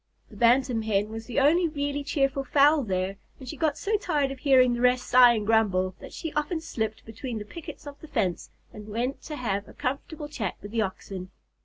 The Bantam Hen was the only really cheerful fowl there, and she got so tired of hearing the rest sigh and grumble, that she often slipped between the pickets of the fence and went to have a comfortable chat with the Oxen.